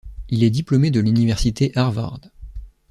Il est diplômé de l'Université Harvard.